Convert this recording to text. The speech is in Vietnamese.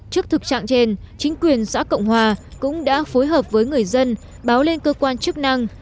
trước thực trạng trên chính quyền xã cộng hòa cũng đã phối hợp với người dân báo lên cơ quan chức năng